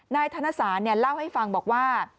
ธนสารเล่าให้ฟังบอกว่า